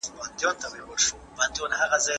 که زده کوونکي خپل وخت تنظیم کړي، کارونه نه پاته کېږي.